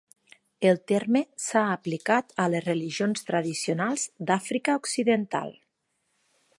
El terme s'ha aplicat a les religions tradicionals d'Àfrica Occidental.